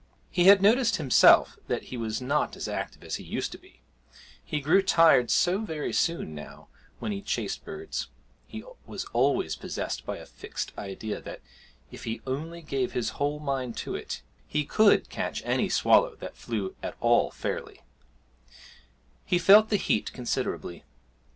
He had noticed himself that he was not as active as he used to be; he grew tired so very soon now when he chased birds (he was always possessed by a fixed idea that, if he only gave his whole mind to it, he could catch any swallow that flew at all fairly); he felt the heat considerably.